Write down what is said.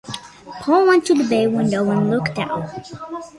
Paul went to the bay window and looked out.